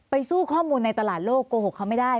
สู้ข้อมูลในตลาดโลกโกหกเขาไม่ได้